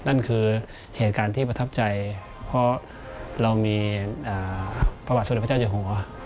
นั่นคือเหตุการณ์ที่ประทับใจพอเรามีพระอาทิตย์สุริยะพระเจ้าจังหัว